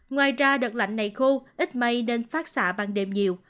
ngoài ra đợt lạnh này khô ít mây nên phát xạ ban đêm nhiều